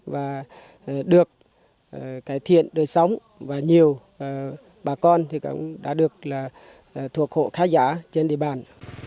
và được cải thiện đời sống và nhiều bà con thì cũng đã được thuộc hộ khá giá trên địa bàn